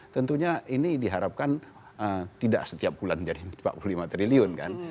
tentunya ini diharapkan tidak setiap bulan jadi empat puluh lima triliun kan